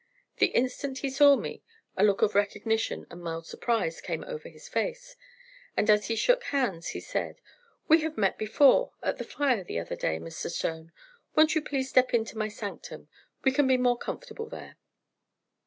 The instant he saw me, a look of recognition and mild surprise came over his face, and as he shook hands he said: "We have met before, at the fire the other day, Mr. Stone! Won't you please step into my sanctum? We can be more comfortable there."